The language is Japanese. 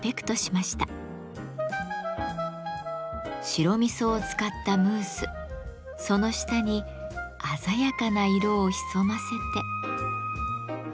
白味噌を使ったムースその下に鮮やかな色を潜ませて。